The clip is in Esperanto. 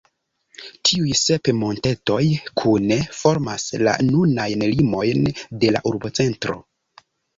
Tiuj sep montetoj kune formas la nunajn limojn de la urbocentro.